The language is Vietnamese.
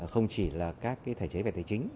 không chỉ là các thể chế về tài chính